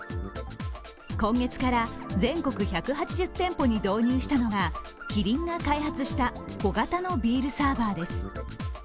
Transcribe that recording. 今月から全国１８０店舗に導入したのがキリンが開発した小型のビールサーバーです。